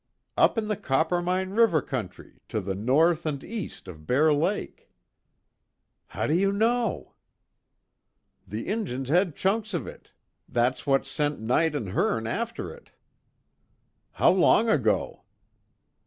"Up in the Coppermine River country, to the north and east of Bear Lake." "How do you know?" "The Injuns had chunks of it. That's what sent Knight and Hearne after it." "How long ago?"